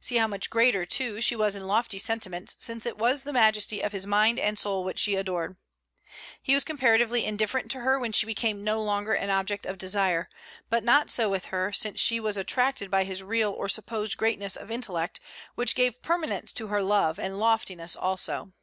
See how much greater, too, she was in lofty sentiments, since it was the majesty of his mind and soul which she adored. He was comparatively indifferent to her when she became no longer an object of desire; but not so with her, since she was attracted by his real or supposed greatness of intellect, which gave permanence to her love, and loftiness also.